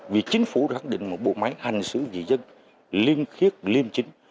vì chính phủ đoán định một bộ máy hành xử dị dân liên khiết liên chính